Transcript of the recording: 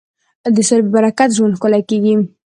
د سولې په برکت ژوند ښکلی کېږي.